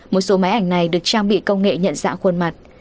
một số máy ảnh này được trang bị công nghệ nhận dạng khuôn mặt